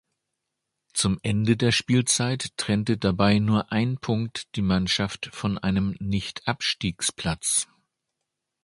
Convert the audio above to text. Zum Ende der Spielzeit trennte dabei nur ein Punkt die Mannschaft von einem Nichtabstiegsplatz.